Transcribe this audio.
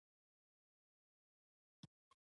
زه هم ور پورته شوم.